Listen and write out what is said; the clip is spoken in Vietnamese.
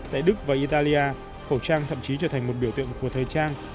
tại đức và italia khẩu trang thậm chí trở thành một biểu tượng của thời trang